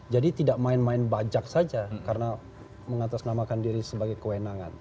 jadi tidak main main bajak saja karena mengatasnamakan diri sebagai kewenangan